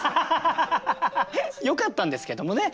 よかったんですけどもねはい。